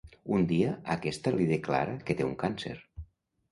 Un dia, aquesta li declara que té un càncer.